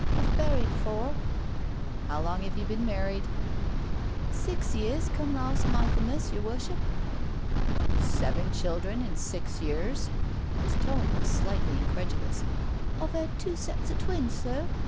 I've buried four. " How long have you been married?" " Six years come lars' Michelmas, yer Worship." "Seven children in six years?'* His tone was slightly incredulous. " I've 'ad two sets of twins, sir.